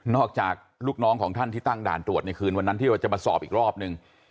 อกจากลูกน้องของท่านที่ตั้งด่านตรวจในคืนวันนั้นที่เราจะมาสอบอีกรอบนึง